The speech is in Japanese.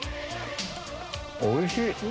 おいしい！